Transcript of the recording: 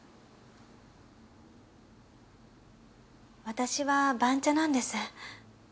私は番茶なんです。